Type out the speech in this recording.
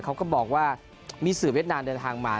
เขาก็บอกว่ามีสื่อเวียดนามเดินทางมา